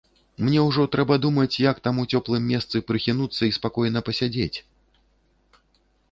Мне ўжо трэба думаць, як там у цёплым месцы прыхінуцца і спакойна пасядзець.